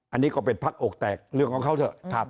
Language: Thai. อันนี้ก็เป็นพักอกแตกเรื่องของเขาเถอะ